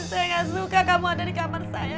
saya gak suka kamu ada di kamar saya